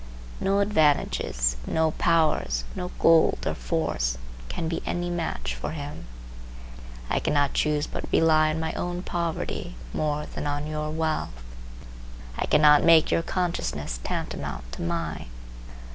No advantages, no powers, no gold or force, can be any match for him. I cannot choose but rely on my own poverty more than on your wealth. I cannot make your consciousness tantamount to mine.